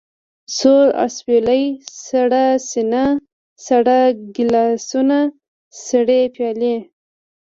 سوړ اسوېلی، سړه سينه، ساړه ګيلاسونه، سړې پيالې.